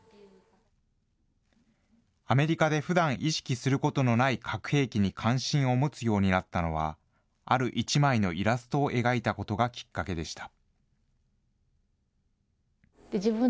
アメリカでふだん意識することのない核兵器に関心を持つようになったのは、ある１枚のイラストを描いたことがきっかけでした。